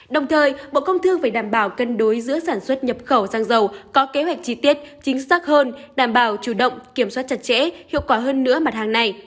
đồng thời bộ công thương phải đảm bảo cân đối giữa sản xuất nhập khẩu xăng dầu có kế hoạch chi tiết chính xác hơn đảm bảo chủ động kiểm soát chặt chẽ hiệu quả hơn nữa mặt hàng này